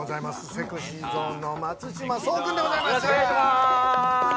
ＳｅｘｙＺｏｎｅの松島聡くんでございます。